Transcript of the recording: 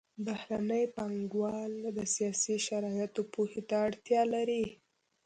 بهرني پانګوال د سیاسي شرایطو پوهې ته اړتیا لري